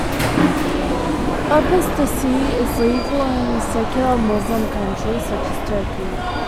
Apostasy is legal in secular Muslim countries such as Turkey.